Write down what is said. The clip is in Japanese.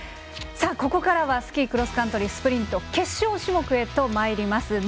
さあ、ここからはスキー・クロスカントリースプリント決勝種目へとまいります。